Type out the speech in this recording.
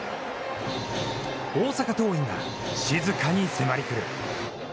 大阪桐蔭が静かに迫り来る。